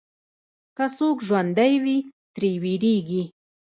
که څوک ژوندی وي، ترې وېرېږي.